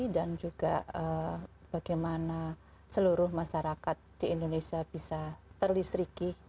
dan juga bagaimana seluruh masyarakat di indonesia bisa terlistriki